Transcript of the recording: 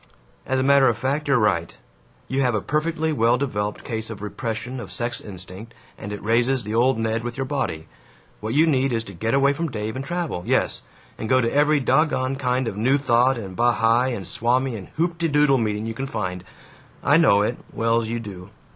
"As a matter of fact, you're right. You have a perfectly well developed case of repression of sex instinct, and it raises the old Ned with your body. What you need is to get away from Dave and travel, yes, and go to every dog gone kind of New Thought and Bahai and Swami and Hooptedoodle meeting you can find. I know it, well 's you do.